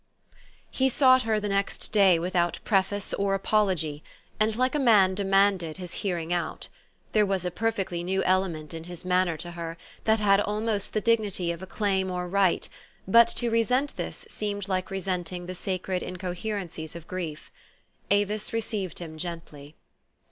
HE sought her the next day without preface or apology, and like a man demanded his hearing out. There was a perfectly new element in his man ner to her, that had almost the dignity of a claim or right ; but to resent this seemed like resenting the pacred incoherencies of grief. Avis received him gently.